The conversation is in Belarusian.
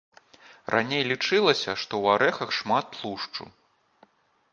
Раней лічылася, што ў арэхах шмат тлушчу.